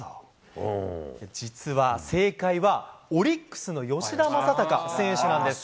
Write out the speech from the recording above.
実は正解は、オリックスの吉田正尚選手なんです。